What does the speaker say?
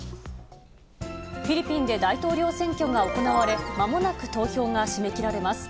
フィリピンで大統領選挙が行われ、まもなく投票が締め切られます。